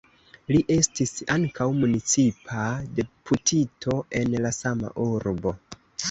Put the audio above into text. Li estis ankaŭ municipa deputito en la sama urbo.